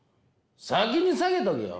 先に下げとけよ！